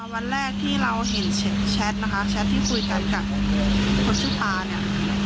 วันแรกที่เราเห็นแชทนะคะแชทที่คุยกันกับคนชื่อปลาเนี่ย